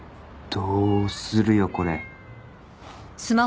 どうするよこれ。